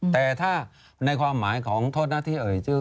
แต่ถ้าในความหมายของโทษหน้าที่เอ่ยชื่อ